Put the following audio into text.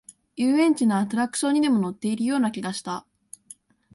遊園地のアトラクションにでも乗っているような気がした